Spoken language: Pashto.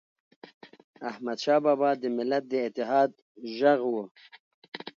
احمدشاه بابا د ملت د اتحاد ږغ و.